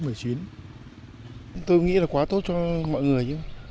tôi nghĩ là quá tốt cho mọi người